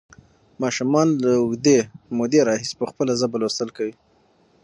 ماشومان له اوږدې مودې راهیسې په خپله ژبه لوستل کوي.